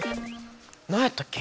何やったっけ？